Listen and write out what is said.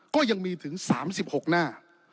ก็ยังมีถึง๓๖หน้า